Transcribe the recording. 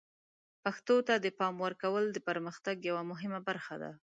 پښتو ته د پام ورکول د پرمختګ یوه مهمه برخه ده.